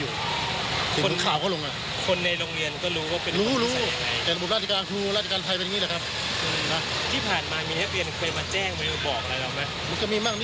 เรื่องอาจจะไม่จริงเรื่องเด็กนักเรียนอาจจะไม่จริง